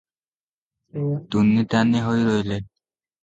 ତୁନି ତାନି ହୋଇ ରହିଲେ ।